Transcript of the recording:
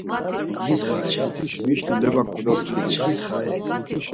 Mişli leba kodobskidi.